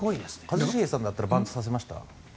一茂さんだったらバントさせました？